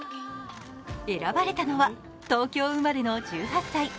選ばれたのは東京生まれの１８歳。